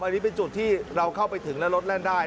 อันนี้เป็นจุดที่เราเข้าไปถึงแล้วรถแล่นได้